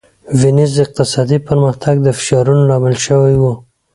وینز اقتصادي پرمختګ د فشارونو لامل شوی و.